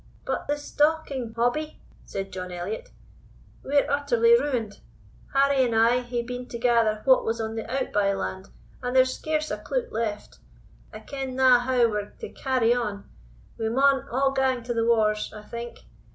"But the stocking, Hobbie'" said John Elliot; "we're utterly ruined. Harry and I hae been to gather what was on the outby land, and there's scarce a cloot left. I kenna how we're to carry on We maun a' gang to the wars, I think.